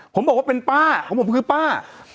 ผมบอกว่าเป็นป้าผมบอกว่าคือป้า